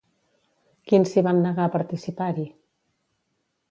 Quins s'hi van negar a participar-hi?